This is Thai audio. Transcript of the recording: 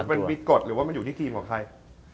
มันบิ๊กกฎหรือว่ามันอยู่ที่ทีมของใคร